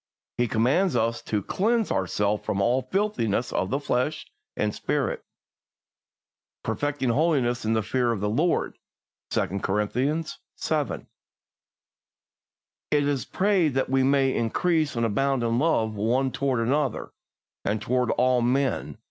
He commands us to "cleanse ourselves from all filthiness of the flesh and spirit, perfecting holiness in the fear of the Lord" (2 Cor. vii. 1). It is prayed that we may "increase and abound in love one toward another, and toward all men...